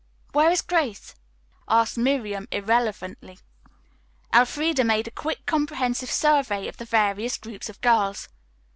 "Where is Grace?" asked Miriam irrelevantly. Elfreda made a quick, comprehensive survey of the various groups of girls.